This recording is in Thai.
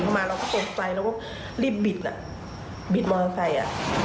เราก็รบไส้เราก็รีบบิดมอเทอร์ไซช์